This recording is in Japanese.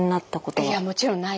いやもちろんないです。